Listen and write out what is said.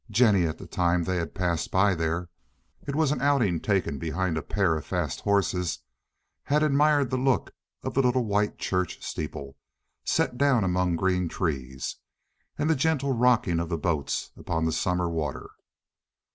Jennie, at the time they had passed by there—it was an outing taken behind a pair of fast horses—had admired the look of a little white church steeple, set down among green trees, and the gentle rocking of the boats upon the summer water.